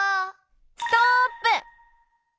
ストップ！